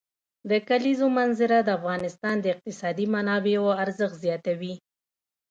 د کلیزو منظره د افغانستان د اقتصادي منابعو ارزښت زیاتوي.